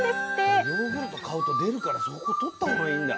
スタジオヨーグルト買うと出るからそこ取った方がいいんだ。